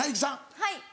はい。